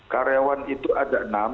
karyawan itu ada enam